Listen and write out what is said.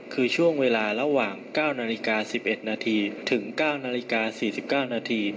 คือช่วงเวลาระหว่างเก้านาฬิกาสิบเอ็ดนาทีถึงเก้านาฬิกาสี่สิบเก้านาที